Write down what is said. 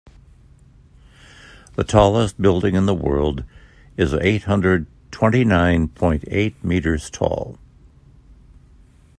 The tallest building in the world is eight hundred twenty nine point eight meters tall.